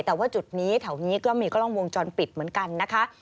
แต่ว่าจุดนี้แถวนี้ก็มีกล้องวงจรปิดเหมือนกันนะคะ